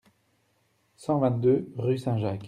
cent vingt-deux rUE SAINT-JACQUES